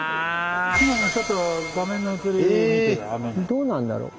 どうなんだろう？